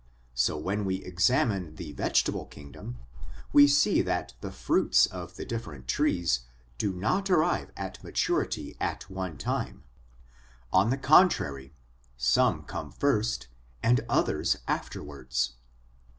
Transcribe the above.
So when we examine the vegetable kingdom, we see that the fruits of the different trees do not arrive at maturity at one time; on the contrary, some come first and others afterwards.